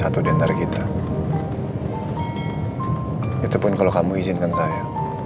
buatbang udah bisa buat dynamite itu caricata